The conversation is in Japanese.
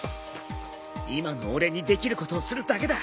今の俺にできることをするだけだ。